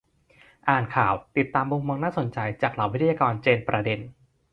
อ่านข่าว ติดตามมุมมองน่าสนใจ จากเหล่าวิทยากรเจนประเด็น